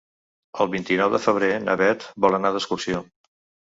El vint-i-nou de febrer na Beth vol anar d'excursió.